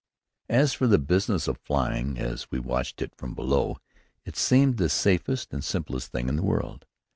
As for the business of flying, as we watched it from below, it seemed the safest and simplest thing in the world.